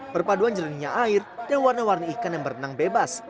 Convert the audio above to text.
perpaduan jernihnya air dan warna warni ikan yang berenang bebas